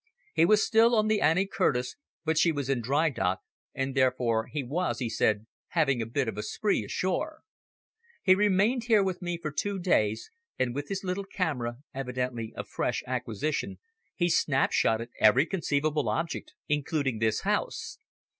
He was still on the Annie Curtis, but she was in dry dock, and therefore he was, he said, having a bit of a spree ashore. He remained here with me for two days, and with his little camera, evidently a fresh acquisition he snapshotted every conceivable object, including this house.